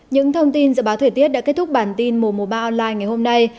những thông tin dự báo thời tiết đã kết thúc bản tin mùa mùa ba online ngày hôm nay